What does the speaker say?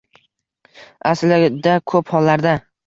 Aslida, ko‘p hollarda